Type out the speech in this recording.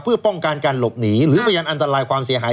เพื่อป้องกันการหลบหนีหรือพยานอันตรายความเสียหาย